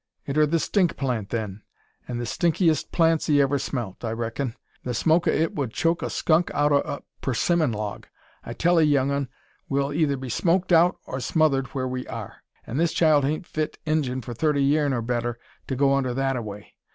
"It ur the stink plant, then; an' the stinkinest plant 'ee ever smelt, I reckin. The smoke o' it ud choke a skunk out o' a persimmon log. I tell 'ee, young 'un, we'll eyther be smoked out or smothered whur we are; an' this child hain't fit Injun for thirty yeern or better, to go under that a way.